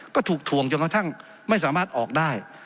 ก็ถูกถ่วงจนกระทั่งไม่สามารถออกได้